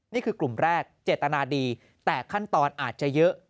นี่คือกลุ่มแรกเจตนาดีแต่ขั้นตอนอาจจะเยอะ